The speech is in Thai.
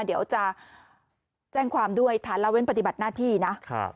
เดี๋ยวอาจจะแจ้งความด้วยทานเราเป็นปฏิบัติหน้าที่นะ